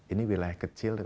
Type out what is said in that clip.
ini wilayah kecil